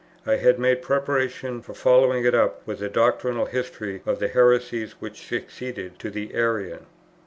I had made preparations for following it up with a doctrinal history of the heresies which succeeded to the Arian.